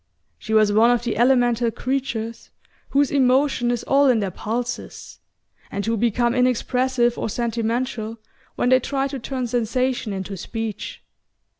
She was one of the elemental creatures whose emotion is all in their pulses, and who become inexpressive or sentimental when they try to turn sensation into speech.